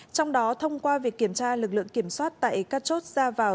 trong đó thông qua việc kiểm tra lực lượng kiểm soát tại các chốt ra vào